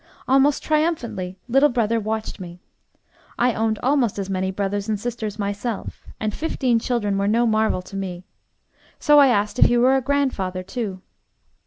Almost triumphantly, little brother watched me. I owned almost as many brothers and sisters myself, and fifteen children were no marvel to me. So I asked if he were a grandfather too.